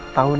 di rumah ini